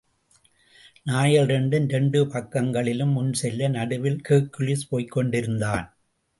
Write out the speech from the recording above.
நாய்கள் இரண்டும் இரண்டு பக்கங்களிலும் முன்செல்ல, நடுவில் ஹெர்க்குவிஸ் போய்க் கொண்டிருந்தான்.